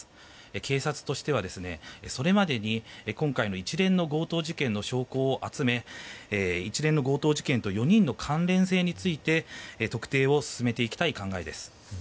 警察としてはそれまでに今回の一連の強盗事件の証拠を集め一連の強盗事件と４人の関連性について特定を進めていきたい考えです。